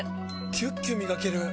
キュッキュ磨ける！